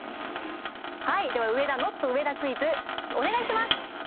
はいでは上田ＮＯＴ上田クイズお願いします。